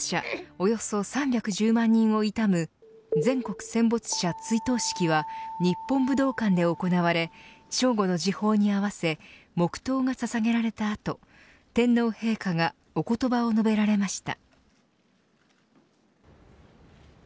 およそ３１０万人を悼む全国戦没者追悼式は日本武道館で行われ正午の時報に合わせ黙とうがささげられた後天皇陛下がお言葉を述べられました。